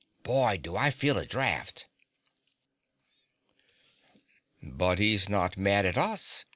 "Boy, do I feel a draft!" "But he's not mad at us!"